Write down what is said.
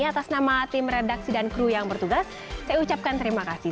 atas nama tim redaksi dan kru yang bertugas saya ucapkan terima kasih